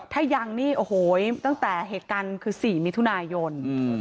ถ้ายังนี่โอ้โหตั้งแต่เหตุการณ์คือ๔มิถุนายน